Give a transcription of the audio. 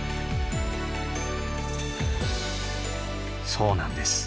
そうなんです。